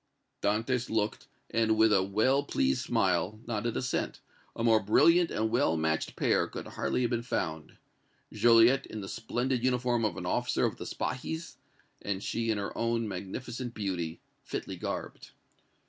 Dantès looked and, with a well pleased smile, nodded assent; a more brilliant and well matched pair could hardly have been found, Joliette in the splendid uniform of an officer of the Spahis, and she in her own magnificent beauty, fitly garbed.